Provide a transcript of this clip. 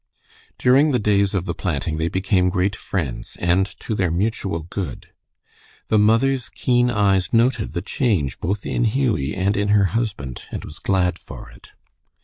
During the days of the planting they became great friends, and to their mutual good. The mother's keen eyes noted the change both in Hughie and in her husband, and was glad for it.